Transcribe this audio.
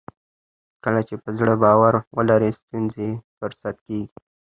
کله چې په زړه باور ولرو ستونزې فرصت کیږي.